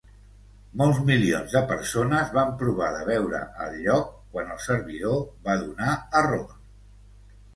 Molts milions de persones van provar de veure el lloc quan el servidor va donar error.